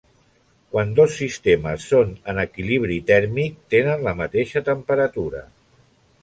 Quan dos sistemes són en equilibri tèrmic tenen la mateixa temperatura.